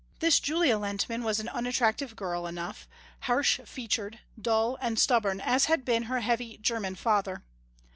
This Julia Lehntman was an unattractive girl enough, harsh featured, dull and stubborn as had been her heavy german father.